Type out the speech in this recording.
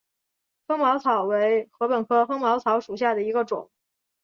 锋芒草为禾本科锋芒草属下的一个种。